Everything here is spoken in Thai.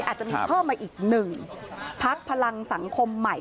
อาจจะมีเพิ่มมาอีกหนึ่งพักพลังสังคมใหม่